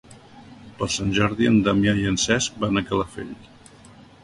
Per Sant Jordi en Damià i en Cesc van a Calafell.